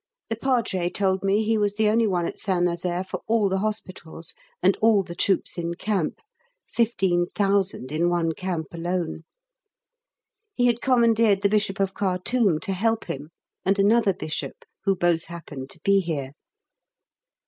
The Padre told me he was the only one at St Nazaire for all the hospitals and all the troops in camp (15,000 in one camp alone). He had commandeered the Bishop of Khartoum to help him, and another bishop, who both happen to be here.